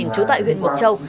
trú tại huyện mộc châu